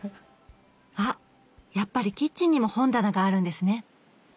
あっやっぱりキッチンにも本棚があるんですね。